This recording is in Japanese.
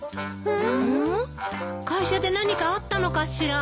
会社で何かあったのかしら？